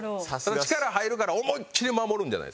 力入るから思いっきり守るんじゃないんです。